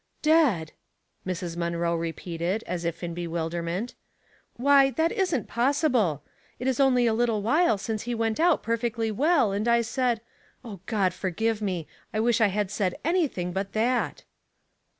"Dead!" Mrs. Munroe repeated, as if in be wilderment. "Why, that isn't possible! It is only a little while since he went out perfectly well, and I said — O God, forgive me ! I wish I had said anything but that."